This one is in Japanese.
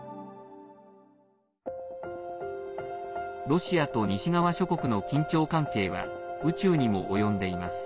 ロシアと西側諸国の緊張関係は宇宙にも及んでいます。